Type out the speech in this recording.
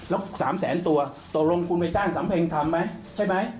แล้ว๓๐๐๐๐๐ตัวตรงคุณไปจ้างสำเพ็ญทำไหม